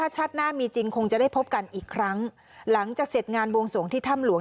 จะเสร็จงานบวงสงฆ์ที่ถ้ำหลวง